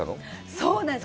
そうなんです。